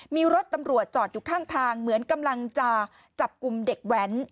มีรถตำรวจจอดอยู่ข้างทางเหมือนกำลังจะจับกลุ่มเด็กแว้น